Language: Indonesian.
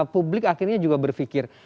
publik akhirnya juga berfikir